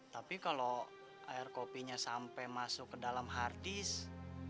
tapi kalau air kopinya sampai masuk ke dalam harddisk